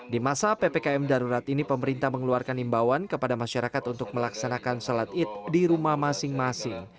di masa ppkm darurat ini pemerintah mengeluarkan imbauan kepada masyarakat untuk melaksanakan sholat id di rumah masing masing